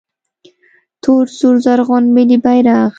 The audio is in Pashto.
🇦🇫 تور سور زرغون ملي بیرغ